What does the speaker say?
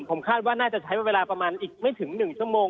ผมคาดว่าน่าจะใช้เวลาประมาณอีกไม่ถึง๑ชั่วโมง